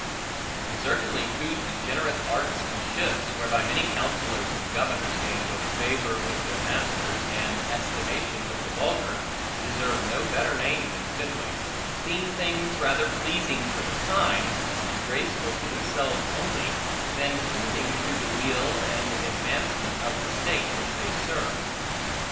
And certainly whose degenerate arts and shifts, whereby many counsellors and governors gain both favor with their masters, and estimation with the vulgar, deserve no better name than fiddling; being things rather pleasing for the time, and graceful to themselves only, than tending to the weal and advancement of the state which they serve.